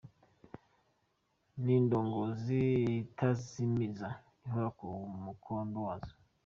Ni indongozi itazimiza Ihora ku mukondo wazo!.